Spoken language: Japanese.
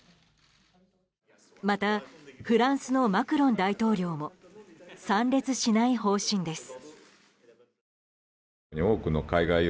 またフランスのマクロン大統領も参列しない方針です。